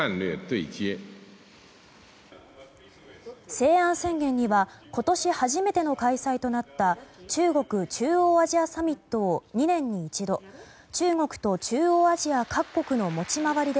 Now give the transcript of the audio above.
西安宣言には今年初めての開催となった中国・中央アジアサミットを２年に一度中国と中央アジア各国の持ち回りで